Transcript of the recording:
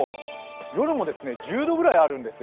夜も１０度ぐらいあるんですよ。